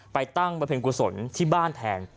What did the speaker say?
ไปตั้งบริเวณกุศลที่บ้านแทน